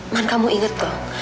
man kamu inget loh